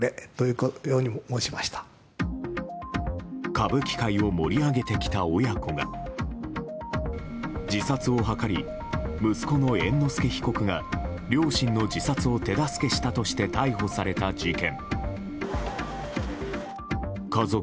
歌舞伎界を盛り上げてきた親子が自殺を図り、息子の猿之助被告が両親の自殺を手助けしたとして逮捕された事件。